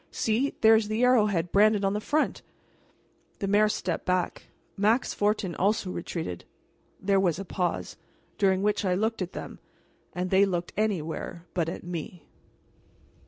See! there is the arrowhead branded on the front!" The mayor stepped back. Max Fortin also retreated. There was a pause, during which I looked at them, and they looked anywhere but at me.